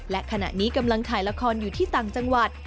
และขณะนี้กำลังถ่ายละครอยู่ที่ต่างจังหวัด